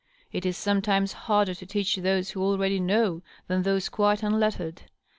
It is sometimes harder to teach those who already know than 3iose quite unlettered.